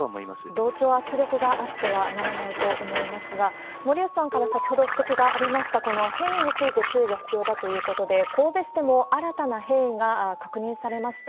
同調圧力があってはならないと思いますが、森内さんから先ほど指摘がありました、この変異について注意が必要だということで、神戸市でも新たな変異が確認されました。